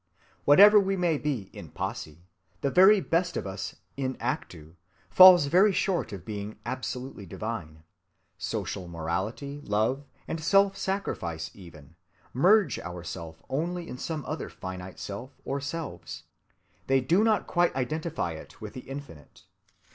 Whatever we may be in posse, the very best of us in actu falls very short of being absolutely divine. Social morality, love, and self‐ sacrifice even, merge our Self only in some other finite self or selves. They do not quite identify it with the Infinite.